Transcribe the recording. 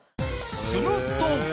すると！